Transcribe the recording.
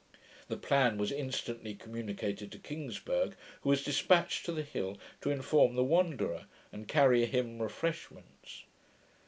The plan was instantly communicated to Kingsburgh, who was dispatched to the hill to inform the Wanderer, and carry him refreshments.